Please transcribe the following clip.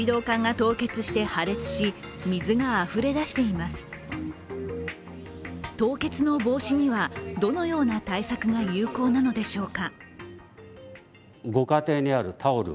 凍結の防止にはどのような対策が有効なのでしょうか。